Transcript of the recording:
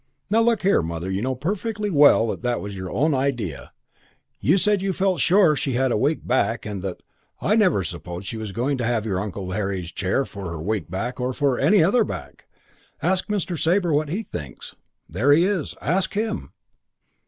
"Now look here, Mother, you know perfectly well that was your own idea. You said you felt sure she had a weak back and that " "I never supposed she was going to have your uncle Henry's chair for her weak back or for any other back. Ask Mr. Sabre what he thinks. There he is. Ask him."